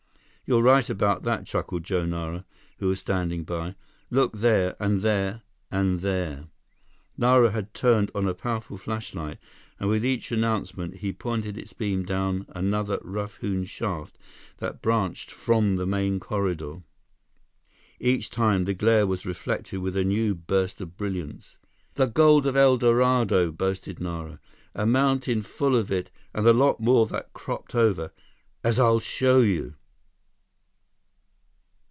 "You're right about that," chuckled Joe Nara, who was standing by. "Look there—and there—and there—" Nara had turned on a powerful flashlight, and with each announcement, he pointed its beam down another rough hewn shaft that branched from the main corridor. Each time, the glare was reflected with a new burst of brilliance. "The gold of El Dorado!" boasted Nara. "A mountain full of it and a lot more that cropped over, as I'll show you!"